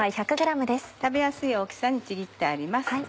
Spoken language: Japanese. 食べやすい大きさにちぎってあります。